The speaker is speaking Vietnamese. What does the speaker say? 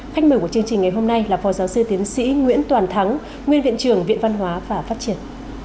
khách mời của chương trình ngày hôm nay là phó giáo sư tiến sĩ nguyễn toàn thắng nguyên viện trưởng viện văn hóa và phát triển